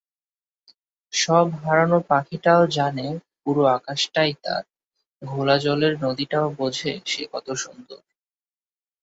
সব হারানো পাখিটাও জানে পুরো আকাশটাই তার, ঘোলাজলের নদীটাও বোঝে সে কত সুন্দর!